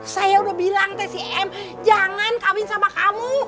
saya udah bilang si em jangan kawin sama kamu